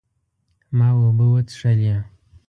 ما اوبه وڅښلې